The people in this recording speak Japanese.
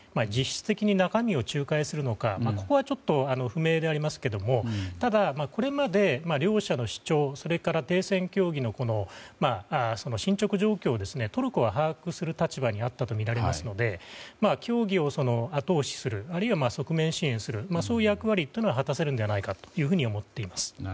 実質的に中身を仲介するのかここはちょっと不明でありますがただ、これまで両者の主張それから停戦協議の進捗状況をトルコは把握する立場にあったとみられますので協議を後押しするあるいは側面支援するそういう役割というのは果たせるのではないかと思っています。